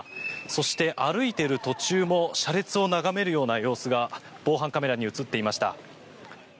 そして、歩いている途中も車列を眺めるような様子が防犯カメラに映っていました。